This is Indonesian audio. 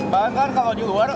bahkan kalau di luar